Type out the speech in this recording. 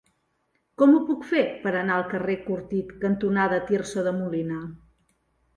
Com ho puc fer per anar al carrer Cortit cantonada Tirso de Molina?